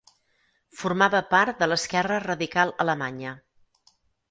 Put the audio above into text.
Formava part de l'esquerra radical alemanya.